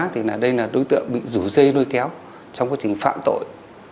thì đây là đối tượng bị rủ dây nuôi kéo trong quá trình phạm tội